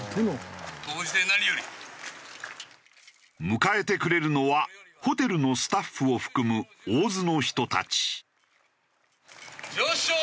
迎えてくれるのはホテルのスタッフを含む大洲の人たち。